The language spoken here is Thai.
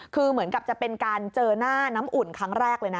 คือเหมือนกับจะเป็นการเจอหน้าน้ำอุ่นครั้งแรกเลยนะ